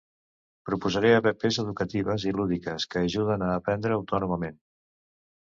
Proposaré apps educatives i lúdiques que ajuden a aprendre autònomament.